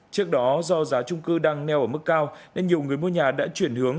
trước đó do giá trung cư đang neo ở mức cao nên nhiều người mua nhà đã chuyển hướng